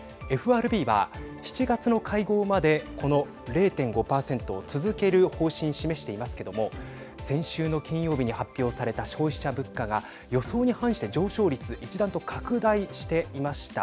ＦＲＢは７月の会合までこの０．５％を続ける方針示していますけれども先週の金曜日に発表された消費者物価が予想に反して上昇率一段と拡大していました。